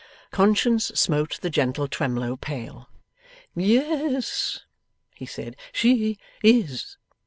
Conscience smote the gentle Twemlow pale. 'Yes,' he said. 'She is.